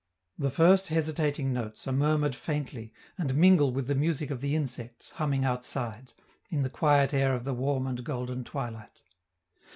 The first hesitating notes are murmured faintly and mingle with the music of the insects humming outside, in the quiet air of the warm and golden twilight.